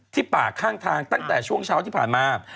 ป่าข้างทางตั้งแต่ช่วงเช้าที่ผ่านมา